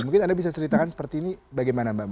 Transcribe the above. mungkin anda bisa ceritakan seperti ini bagaimana mbak